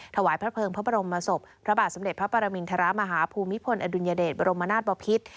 ถวายพระเภิงพระบรมศพพระบาทสมเด็จพระปรมินทรมาฮภูมิพลอดุลยเดชบรมนาศบพิษ